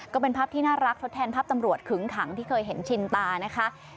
ก็เป็นภาพที่น่ารักทดแทนภาพตำรวจขึงขังที่เคยเห็นชินตานะคะ